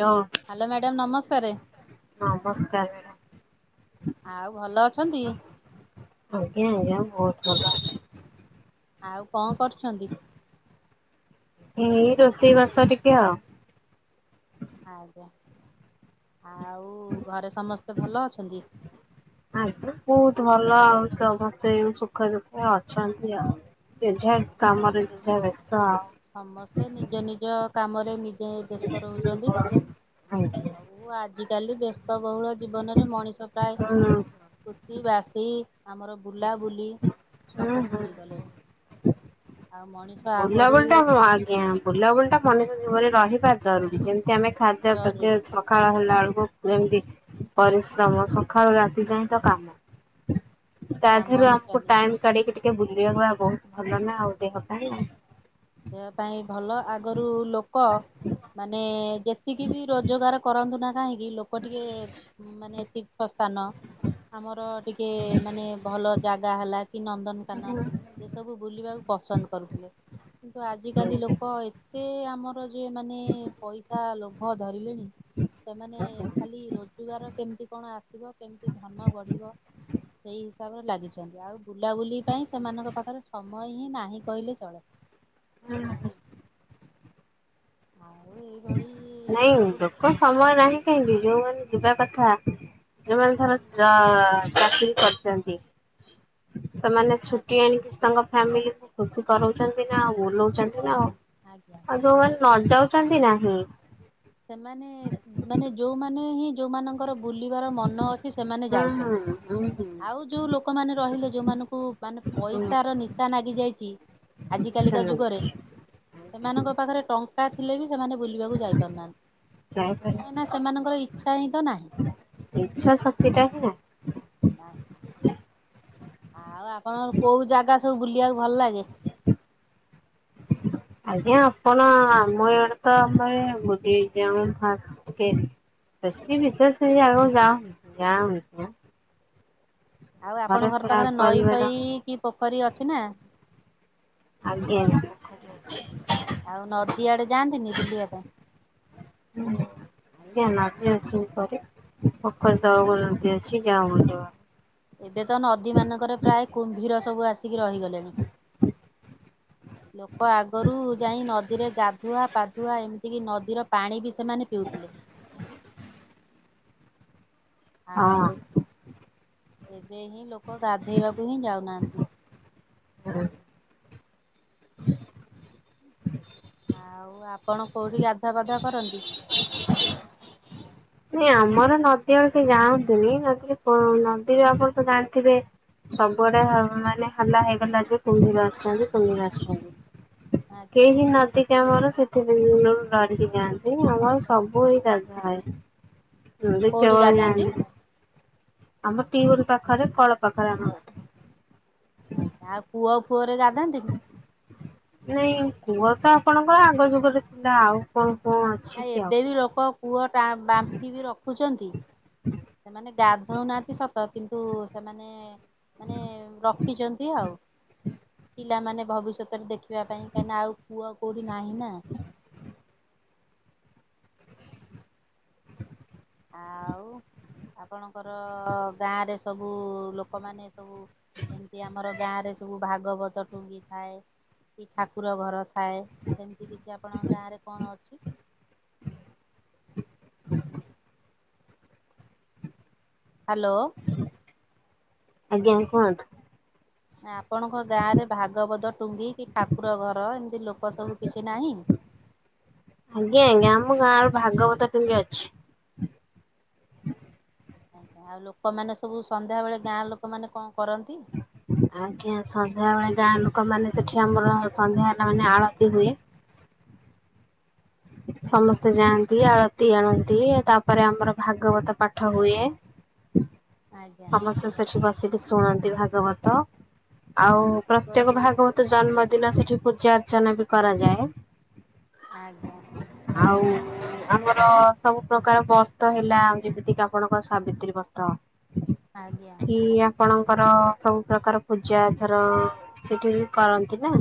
ହଉ। Hello madam ନମସ୍କାରେ। ହଁ ନମସ୍କାରେ। ଆଉ ଭଲ ଅଛନ୍ତି? ଆଜ୍ଞା, ଆଜ୍ଞା, ବହୁତ ଭଲ ଅଛି। ଆଉ କଣ କରୁଛନ୍ତି? ଏଇ ରୋଷେଇ ବାସ ଟିକେ ଆଉ। ଆଜ୍ଞା, ଆଉ ଘରେ ସମସ୍ତେ ଭଲ ଅଛନ୍ତି? ଆଜ୍ଞା, ବହୁତ ଭଲ ଆଉ ସମସ୍ତେ ସୁଖ ଦୁଃଖରେ ଅଛନ୍ତି ଆଉ। ଜେଝା କାମରେ ଜେଝା ବ୍ୟସ୍ତ ଆଉ। ସମସ୍ତେ ନିଜ ନିଜ କାମରେ ନିଜେ ବ୍ୟସ୍ତ ରହୁଛନ୍ତି। ଆଜ୍ଞା ଆଉ ଆଜିକାଲି ବ୍ୟସ୍ତବହୁଳ ଜୀବନରେ ମଣିଷ ପ୍ରାୟେ ହୁଁ। ଖୁସି ବାସି ଆମର ବୁଲାବୁଲି। ହୁଁ ସବୁ ହୁଁ। ଭୁଲିଗଲେଣି ଆଉ ମଣିଷ ଆଗ ବୁଲାବୁଲି ଟା ଆଜ୍ଞା ବୁଲାବୁଲି ଟା ମଣିଷ ଜୀବନରେ ରହିବା ଜରୁରୀ ଯେମିତି ଆମେ ଖା ପ୍ରତି ଜରୁରୀ ସକାଳ କଲା ବେଳକୁ ଯେମିତି ପରିଶ୍ରମ ସକାଳୁ ରାତି ଯାଏ ତ କାମ। ତା କାମ ଦେହରୁ ହିଁ ଆମକୁ ଚାଲିଛି। ଟାଇମ କାଢିକି ଟିକେ ବୁଲିବାକୁ ହଵ ଭଲ ନା ଆଉ ଦେହ ପାଇଁ ନା। ଦେହ ପାଇଁ ଭଲ ଆଗରୁ ଲୋକ ମାନେ ଯେ ଯେତିିକି ବି ରୋଜଗାର କରନ୍ତୁ ନା କାହିଁକି ଲୋକ ଟିକେ ମାନେ ତୀର୍ଥ ସ୍ଥାନ। ଆମର ଟିକେ ମାନେ ଭଲ ଜାଗା ହେଲା କି ନନ୍ଦନକାନନ। ସେସବୁ ବୁଲିବାକୁ ପସନ୍ଦ କରୁଥିଲେ। କିନ୍ତୁ ଆଜିକାଲି ଲୋକ ଏତେ ଆମର ଯେ ମାନେ ପଇସା ଲୋଭ ଧରିଲେଣି। [inaudible] ସେମାନେ ଖାଲି ରୋଜଗାର କେମତି କଣ ଆସିବ କେମିତି ଧନ ବଢ଼ିବ। ସେଇ ହିସାବରେ ଲାଗିଛନ୍ତି ଆଉ ବୁଲାବୁଲି ପାଇଁ ସେମାନଙ୍କ ପାଖରେ ସମୟ ହିଁ ନାହିଁ କହିଲେ ଚଳେ। ହୁଁ, ହୁଁ। ଆଉ ଏ ନାଇଁ ଲୋକ ସମୟ ନାହିଁ କାହିଁକି ଯୋଉମାନେ ଯିବା କଥା ଯୋଉମାନେ ଧର ଜାଆ ଚାକିରୀ କରିଛନ୍ତି। ସେମାନେ ଆ ଛୁଟି ଆଣିକି ତାଙ୍କ ଫ୍ୟାମିଲିକୁ ଖୁସି କରଉଛନ୍ତି ନା ଆଉ ବୁଲଉଛନ୍ତି ନା ଆଉ। ଆଜ୍ଞା ଆଉ ସିଏ ଯୋଉମାନେ ଯୋଉ ନ ଯାଉଚନ୍ତି ନାହିଁ। ସେମାନେ ମାନେ ଯୋଉମାନେ ହିଁ ଯୋଉମାନଙ୍କ ତାଙ୍କର ବୁଲିବାର ମନ ଅଛି ସେମାନେ ହୁଁ ଯାଉଛନ୍ତି। ହୁଁ ହୁଁ ଆଉ ଯୋଉ ଲୋକମାନେ ରହିଲେ ଯୋଉମାନଙ୍କୁ ମାନେ ହୁଁ ପଇସାର ନିଶା ନାଗି ଯାଇଛି। ଆଜ କାଲିକା ଯୁଗରେ ସେମିତି ସେମାନଙ୍କ ପାଖରେ ଟଙ୍କା ଥିଲେ ବି ସେମାନେ ବୁଲିବାକୁ ଯାଇ ପାରୁନାହାନ୍ତି। ଯା ଇପାରୁ କାହିଁକିନା ସେମାନଙ୍କର ଇଚ୍ଛା ହିଁ ତ ନାହିଁ। ଇଚ୍ଛା ଶକ୍ତି ଟା ହିଁ ନାହିଁ। ଆଉ ଆପଣଙ୍କର କୋଉ ଜାଗା ସବୁ ବୁଲିବାକୁ ଭଲ ଲାଗେ? ଆଜ୍ଞା ଆପଣ ଆମ ଇଆଡେ ତ ଆମର ବୁଲି ଯାଉ ଫାଷ୍ଟ କି ଏ ବେଶି ବିଶେଷେଏଇଆମ ଗାଁ ଗାଁ ବୁଲି ଯାଉ। ଆଉ ଆପଣଙ୍କ ଘର ପୁରା ପାଖରେ ନଈ ପରିବାର ଫଇ କି ପୋଖରୀ ଅଛି ନା? ଆଜ୍ଞା। ଆଉ ନଦୀ ଆଡ଼େ ଯାଆନ୍ତିନି ବୁଲିବା ପାଇଁ? ହୁଁ ଉଁ। ଆଜ୍ଞା ନଦୀ ଅଛି ଉପରେ ପୋଖରୀ ତଳକୁ ନଦୀ ଅଛି ଗାଁ ମୁଣ୍ଡରେ। ଏବେତ ନଦୀମାନଙ୍କରେ ପ୍ରାୟ କୁମ୍ଭୀର ସବୁ ଆସିକି ରହିଗଲେଣି। ଲୋକ ଆଗରୁ ଯାଇ ନଦୀରେ ଗାଧୁଆ ପାଧୁଆ ଏମିତିକି ନଦୀର ପାଣି ବି ସେମାନେ ପିଉଥିଲେ। ହଁ। ଆଉ ଏବେ ହିଁ ଲୋକ ଗାଧେଇବାକୁ ହିଁ ଯାଉନାହାନ୍ତି। ହୁଁ। [inaudible] ଆଉ ଆପଣ କୋଉଠି ଗାଧୁଆ ପାଧୁଆ କରନ୍ତି? ନାଇଁ ଆମର ନଦୀ ଆଡେ କେହି ଯାଆନ୍ତିୁନି ନଦୀରେ କଣ ନଦୀରେ ଆପଣ ତ ଜାଣିଥିବେ? ସବୁଆଡେ ହା ମାନେ ହାଲା ହେଇଗଲା ଯେ କୁମ୍ଭୀର ଆସୁଛନ୍ତି କୁମ୍ଭୀର ଆସୁଛନ୍ତି। ଆଜ୍ଞା କେହି ନଦୀ କି ଆମର ସେଥିପେଇଁ ଢରିକି ଯାଆନ୍ତିନି ଆମର ସବୁ ହିଁ ଗାଧୁଆ ହୁଏ। କୋଉଠି ଗାଧାନ୍ତି? [unintelligible] ଆମର ଟିୱଲ ପାଖରେ କଳ ପାଖରେ ଆମ ଘର। ଆଉ କୂଅ ଫୁଅରେ ଗାଧାନ୍ତିନି। ନାଇଁ କୂଅ ତ ଆପଣଙ୍କର ଆଗ ଯୁଗରେ ଥିଲା ଆଉ। କଣ, - ପଞ୍ଚ [inaudible] ଆଏ ଏବେ ବି ଲୋକ ପୁଅଟା ବାମ୍ଫି ବି ରଖୁଛନ୍ତି ସେମାନେ ଗାଧଉନାହାନ୍ତି ସତ କି ତୁ ସେମାନେ- ମାନେ ରଖିଛନ୍ତି ଆଉ। ପିଲାମାନେ ଭବିଷ୍ୟତରେ ଦେଖିବା ପାଇଁ କାହିଁକି ନା ଆଉ କୂଅ କୋଉଠି ନାହିଁ ନା। [inaudible] ଆଉ- ଆପଣଙ୍କର ଗାଁରେ ସବୁ ଲୋକମାନେ ସବୁ ଏମିତି ଆମର ଗାଁ ରେ ସବୁ ଭାଗବତ ଟୁଙ୍ଗି ଥାଏ। କି ଠାକୁର ଘର ଥାଏ, ସେମିତି କିଛି ଆପଣଙ୍କ ଗାଁ ରେ କଣ ଅଛି? ହ୍ୟାଲୋ। ଆଜ୍ଞା କୁହନ୍ତ? ଆଁ ଆପଣଙ୍କ ଗାଁରେ ଭାଗବତ ଟୁଙ୍ଗି କି ଠାକୁର ଘର ଏମିତି ଲୋକ ସବୁ କିଛି ନାହିଁ। ଆଜ୍ଞା ଆଜ୍ଞା ଆମ ଗାଁର ଭାଗବତ ଟୁଙ୍ଗି ଅଛି। ଅହ ଆଉ ଲୋକମାନେ ସବୁ ସନ୍ଧ୍ୟାବେେଳେ ଗାଁ ଲୋକମାନେ କଣ କରନ୍ତି? ଆଜ୍ଞା ସନ୍ଧ୍ୟାବେଳେ ଗାଁ ଲୋକ ମାନେ, ସେଠି ଆମର ସନ୍ଧ୍ୟା ହେଲା ମାନେ ଆଳତି ହୁଏ। ସମସ୍ତେ ଯାଆନ୍ତି, ଆଳତି ଆଣନ୍ତି, ତାପରେ ଆମର ଭାଗବତ ପାଠ ହୁଏ। ଆଜ୍ଞା ସମସ୍ତେ ସେଠି ବସିକି ଶୁଣନ୍ତି ଭାଗବତ, ଆଉ ପ୍ରତ୍ୟେକ କରୁ ଭାଗବ ତ ଜନ୍ମଦିନ ସେଠି ପୂଜା ଅର୍ଚ୍ଚନା ବି କରାଯାଏ। ଆଜ୍ଞା। ଆଉ ଆମର ସବୁ ପ୍ରକାର ବ୍ରତ ହେଲା, ଯେମିତିକି ଆପଣଙ୍କ ସାବିତ୍ରୀ ବ୍ରତ ଆଜ୍ଞା। କି ଆପଣଙ୍କର ସବୁ ପ୍ରକାର ପୂଜା ଧର ସେଠି ବି କରନ୍ତି ନା।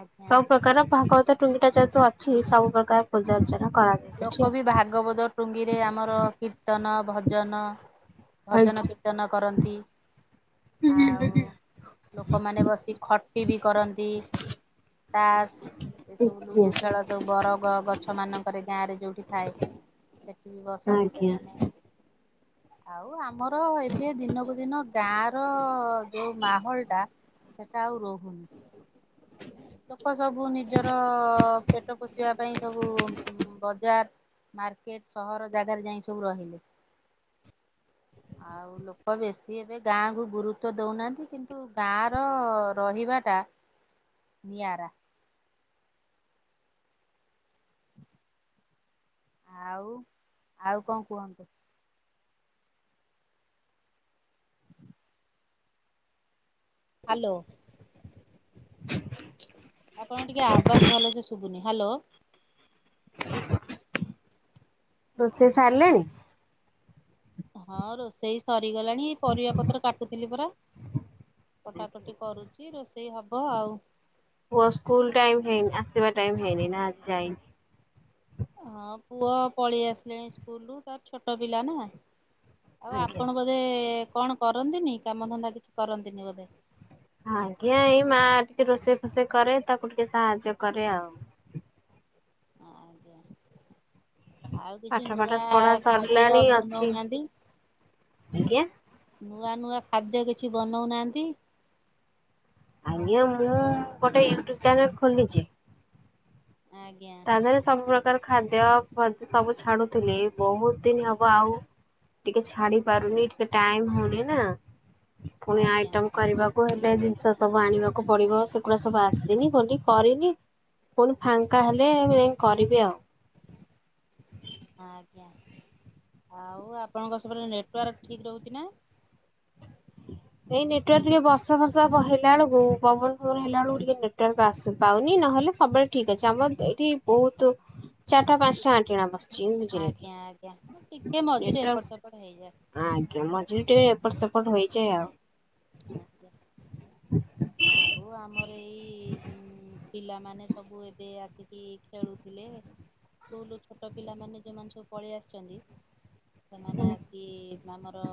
ଆଜ୍ଞା ଆଜ୍ଞା ପ୍ରକାର ଭାଗବତ ଟୁଙ୍ଗିଟା ଯେହେତୁ ଅଛି ସବୁ ପ୍ରକାର ପୂଜା ଅର୍ଚ୍ଚନା କରାଜା ଲୋକ ବି ଭାଗବତ ଟୁଙ୍ଗିରେ, ଆମର କୀର୍ତ୍ତନ ଭଜନ, ଭଜନ କୀ ଆଜ୍ଞା କୀର୍ତ୍ତନ କରନ୍ତି ଆଉ ଲୋକମାନେ ବସି ଖଟି ବି କରନ୍ତି ତାସ୍ ଏସବୁ ଲୁଡୁ ଖେଳ ସବୁ, ବର ଗ ଗଛ ମାନ ଥରେ ଗାଁରେ ଯଉଠି ଥାଏ ସେଠି ବି ବସନ୍ତି ଆଜ୍ଞା ସେମାନେ। ଆଉ ଆମର ଏବେ ଦିନକୁ ଦିନ ଗାଁ -ର ଯୋଉ ମାହୋଲ ଟା ସେଟା ଆଉ ରହୁନି। ଲୋକ ସବୁ ନିଜର ପେଟ ପୋଷିବା ପାଇଁ ସବୁ ବଜାର୍ ମାର୍କେଟ୍ ସହର ଜାଗାରେ ଯାଇଁ ସବୁ ରହିଲେ। ଆଉ ଲୋକ ବେଶୀ ଏବେ ଗାଁକୁ ଗୁରୁତ୍ୱ ଦଉନାହାନ୍ତି, କିନ୍ତୁ ଗାଁର ରହିବାଟା ନିଆରା। ଆଉ, ଆଉ କଣ କୁହ। ହାଲୋ। ଆପଣଙ୍କ ଟିକେ ଆବାଜ୍ ଭଲସେ ଶୁଭୁନି, ହାଲୋ। [inaudible] ରୋଷେଇ ସାରିଲେଣି? ହଁ ରୋଷେଇ ସରିଗଲାଣି, ପରିବା ପତ୍ର କାଟୁଥିଲି ପରା। କଟାକଟି କରୁଚି, ରୋଷେଇ ହବ ଆଉ। ପୁଅ ସ୍କୁଲ୍ ଟାଇମ୍ ହେଇନି ଆସିବା ଟାଇମ୍ ହେଇନି ନା ଆଜି ଯାଇନି? ହଁ ପୁଅ ପଳେଇ ଆସିଲାଣି ସ୍କୁଲ୍ ରୁ ତାର ଛୋଟ ପିଲା ନା ଆଉ ଆଜ୍ଞା। ଆପଣ ବୋ ଧେ କଣ କରନ୍ତିନି, କାମଧନ୍ଦା କିଛି କରନ୍ତିନି ବୋଧେ? ଆଜ୍ଞା ଏଇ ମା ଟିକେ ରୋଷେଇ ଫୋଷେଇ କରେ ତାକୁ ଟିକେ ସାହାଯ୍ୟ କରେ ଆଉ। [inaudible] ଆଉ କିଛି ପାଠ ପାଠ ନୂଆ ପଢା ଖାଦ୍ୟ ସରିଲାଣି ଅଛି ବନୋଉନାହାନ୍ତି। ଆଜ୍ଞା। ନୂଆ-ନୂଆ ଖାଦ୍ୟ କିଛି ବନୋଉନାହାନ୍ତି। ଆଜ୍ଞା ମୁଁ ଗୋଟେ ୟୁଟ୍ୟୁବ୍ ଚ୍ୟାନେଲ୍ ଖୋଲିଚି। ଆଜ୍ଞା। ଏଥେରେ ସବୁ ପ୍ରକାର ଖାଦ୍ୟ ସବୁ ଛାଡୁଥିଲି, ବହୁତ୍ ଦିନ ହବ ଆଉ ଟିକେ ଛାଡିପାରୁନି ଟିକେ ଟାଇମ୍ ହଉନି ନା, ଫୁଣି ଆଜ୍ଞା ଆଇଟମ୍ କରିବାକୁ ହେଲେ ଜିନିଷ ସବୁ ଆଣିବାକୁ ପଡିବ, ସେଗୁଡା ସବୁ ଆସିନି ବୋଲି କରିନି। ପୁଣି ଫାଙ୍କା ହେଲେ [unintelligible] ଯାଇଁ କରିବି ଆଉ। ହଁ ଆଜ୍ଞା। ଆଉ ଆପଣଙ୍କ ସେପଟେ ନେଟୱାର୍କ ଠିକ୍ ରହୁଚି ନା? ଏଇ ନେଟୱାର୍କ ଟିକେ ବର୍ଷା ଫର୍ଷା ହେଲା ବେଳୁକୁ ପବନ୍ ଫବନ୍ ହେଲା ବେଳୁକୁ ଟିକେ ନେଟୱାର୍କ ଆସ ପାଉନି ନହେଲେ ସବେଳେ ଠିକ୍ ଅଛି ଆମର ଏଠି ବହୁତୁ ଚାରିଟା ପାଞ୍ଚଟା ଆଣ୍ଟିଣା ବସ୍ ଆଜ୍ଞା-ଆଜ୍ଞା ଟିକେ ମଝିରେ ଏପଟ୍ ନେଟୱାର୍କ ସେପଟ୍ ହେଇଯାଏ। ଆଜ୍ଞା ମଝିରେ ଟିକେ ଏପଟ୍ ସେପଟ୍ ହୋଇଯଏ ଆଉ। ହଁ ଆମର ଏଇ ପିଲାମାନେ ସବୁ ଏବେ ଆସିକି ଖେଳୁଥିଲେ ସ୍କୁଲରୁୁ ଛୋଟ ପିଲାମାନେ ଯେଉଁମାନେ ସବୁ ପଳେଇ ଆସିଚନ୍ତି ସେମାନେ ଆସି ଆମର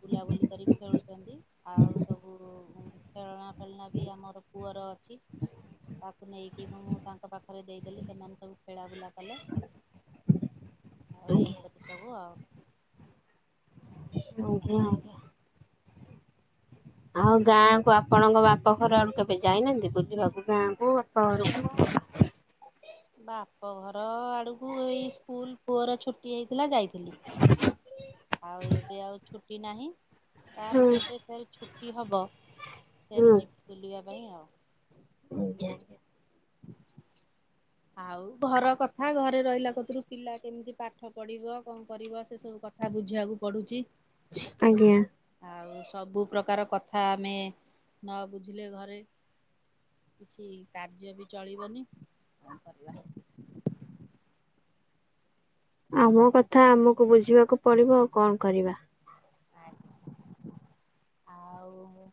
ବୁଲାବୁଲି କରିକି ଖେଳୁଚନ୍ତି। ଆଉ ସବୁ ଖେଳଣା ଫେଳଣା ବି ଆମର ପୁଅର ଅଛି। ତାକୁ ନେଇକି ମୁଁ ତାଙ୍କ ପାଖରେ ଦେଇଦେଲି ସେମାନେ ସବୁ ଖେଳା ବୁଲା କଲେ। ଆଉ ଆଜ୍ଞା ଏଇପରି ସବୁ ଆଉ। ଆଜ୍ଞା। ଆଉ ଗାଁକୁ ଆପଣଙ୍କ ବାପଘର ଆଡୁ କେବେ ଯାଇନାହାନ୍ତି ବୁଲିବାକୁ ଗାଁକୁ ବାପଘରୁକୁ? ବାପଘର ଆଡୁକୁ ଏଇ ସ୍କୁଲ୍ ପୁଅର ଛୁଟି ହେଇଥିଲା ଯାଇଥିଲି। ଆଉ ଏବେ ଆଉ ଛୁଟି ନାହିଁ, ହୁଁ ତାର ଯେବେ ଫେରେ ଛୁ ଛୁଟି ହବ ଫେରେ ଯିବି ବୁଲିବା ପାଇଁ ଆଉ। ଆଜ୍ଞା। ଆଉ ଘର କଥା ଘରେ ରହିଲା କତୁରୁ ପିଲା କେମିତି ପାଠ ପଢିବ କଣ କରିବ ସେ ସବୁ ତା ବୁଝିବାକୁ ପଡୁଚି। ଆଜ୍ଞା। ଆଉ ସବୁ ପ୍ରକାର କଥା ଆମେ ନ ବୁଝିଲେ ଘରେ କିଛି କାର୍ଯ୍ୟ ବି ଚଳିବନି। ଆମ କଥା ଆମକୁ ବୁଝିବାକୁ ପଡିବ ଆଉ କଣ କରିବା। ଆଜ୍ଞା ଆଉ।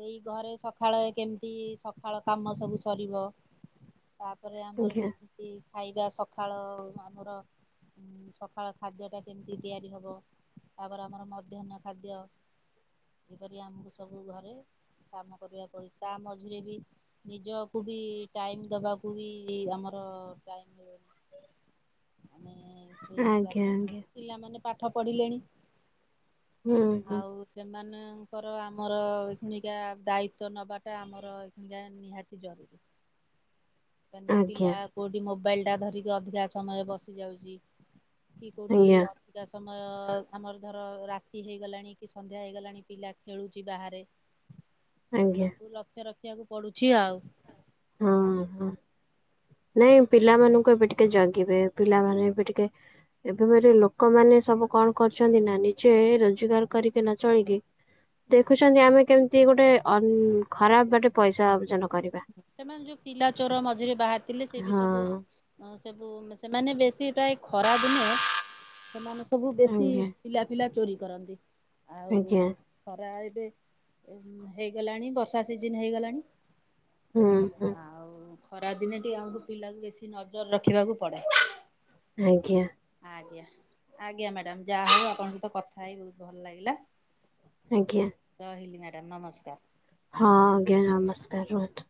ଏଇ ଘରେ ସକାଳେ କେମିତି ସକାଳେ କାମ ସବୁ ସରିବ। ତାପରେ ଆମର ଆଜ୍ଞା। କେମିତି ଖାଇବା ସକଳ ଆମର ସକାଳ ଖାଦ୍ୟ ଟା କେମିତି ତିଆରି ହବ। ତାପରେ ଆମର ମଧ୍ୟାହ୍ନ ଖାଦ୍ୟ ସେପରି ଆମକୁ ସବୁ ଘରେ କାମ କରିବାକୁ ପଡୁଚି ତା ମଝିରେ ବି ନିଜକୁ ବି ଟାଇମ୍ ଦବାକୁ ବି ଆମର ଟାଇମ୍ ଆଜ୍ଞା ଆଜ୍ଞା ପିଲାମାନେ ପାଠ ପଢିଲେଣି? ହୁଁ ହୁଁ ଆଉ। ସେମାନଙ୍କର ଆମର ଏଇଖୁଣିକା ଦାଇତ୍ୱ ନେବାଟା ଆମର ଏଇଖୁଣିକା ନିହାତି ଜରୁୀ। କାହିଁକିନା ପିଲା ଆଜ୍ଞା କୋଉଠି ମୋବାଇଲଟା ଧରିକି ଅଧିକା ସମୟ ବସିଯାଉଚି। କି କୋଉଠି ଆଜ୍ଞା ଅ କା ସମୟ ଆମର ଧର ରାତି ହେଇଗଲାଣି କି ସନ୍ଧ୍ୟା ହେଇଗଲାଣି ପିଲା ଖେଳୁଚି ବାହାରେ ଏ ଆଜ୍ଞା ସବୁ ଲକ୍ଷ୍ୟ ରଖିବାକୁ ପଡୁଚି ଆଉ। ହଁ ହଁ। [unintelligible] ନାଇଁ ପିଲାମାନଙ୍କୁ ଏବେ ଟିକେ ଜଗିବେ ପିଲାମାନେ ଏବେ ଟିକେ ଏବେ ଗୁରେ ଲୋକମାନେ ସବୁ କଣ କରୁଚନ୍ତି ନା ନିଜେ ରୋଜଗାର କରିକିନା ନଚଳିକି ଦେଖୁଚନ୍ତି ଆମେ କେମିତି ଗୋଟେ ଅନ ଖରାପ ବାଟେ ପଇସା ଅର୍ଜନ କରିବା। ସେମାନେ ଯୋଉ ପିଲା ଚୋର ମଝିରେ ବାହାରିଥିଲେ ସେ ବି ସବୁ ହଁ। ହଁ ସବୁ ସେମାନେ ବେଶୀ ପ୍ରାୟ ଖରା ଦିନେ ସେମାନେ ସବୁ ବେଶୀ ଆଜ୍ଞା ପିିଲା ପିିଲା ଚୋରି କରନ୍ତି। ଆଉ ଆଜ୍ଞା। ଖରା ଏବେ ହେଇଗଲାଣି ବର୍ଷା ସିଜିନ୍ ହେଇଗଲାଣି। ହୁଁ। ହୁଁ ଆଉ ଖରାଦିନେ ଟିକେ ଆମକୁ ପିଲାକୁ ବେଶୀ ନଜର ରଖିବାକୁ ପଡ଼େ। ଆଜ୍ଞା। ଆଜ୍ଞା ଆଜ୍ଞା ମ୍ୟାଡ଼ାାମ ଯାହା ହୋଉ ଆପଣଙ୍କ ସହିତ କଥା ହେଇ ବୋହୁତ ଭଲ ଲାଗିଲା। ଆଜ୍ଞା। ରହିଲି ମ୍ୟାଡ଼ାାମ ନମସ୍କାର। ହଁ ଆଜ୍ଞା ନମସ୍କାର ରହୁନ୍ତୁ।